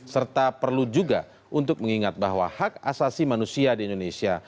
serta perlu juga untuk mengingat bahwa hak asasi manusia di indonesia